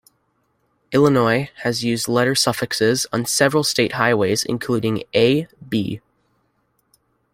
Illinois has used letter suffixes on several state highways, including "A", "B".